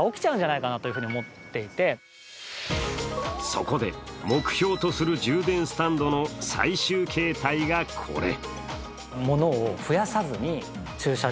そこで、目標とする充電スタンドの最終形態がこれ。